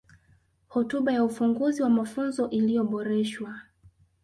Hotuba ya Ufunguzi wa Mafunzo iliyoboreshwa